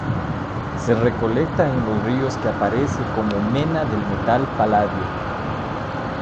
Se recolecta en los ríos que aparece como mena del metal paladio.